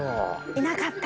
いなかった。